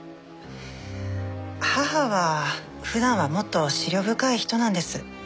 母は普段はもっと思慮深い人なんです。